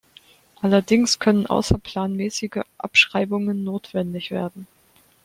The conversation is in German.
Allerdings können außerplanmäßige Abschreibungen notwendig werden.